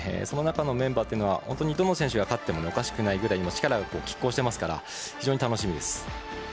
その中のメンバーはどの選手が勝ってもおかしくないぐらい力がきっ抗してますから非常に楽しみです。